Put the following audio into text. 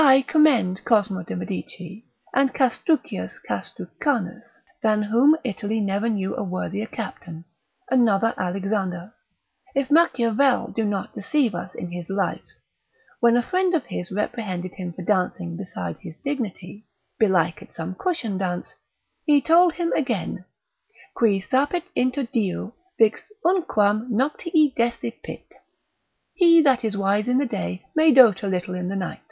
I commend Cosmo de Medici and Castruccius Castrucanus, than whom Italy never knew a worthier captain, another Alexander, if Machiavel do not deceive us in his life: when a friend of his reprehended him for dancing beside his dignity, (belike at some cushion dance) he told him again, qui sapit interdiu, vix unquam noctii desipit, he that is wise in the day may dote a little in the night.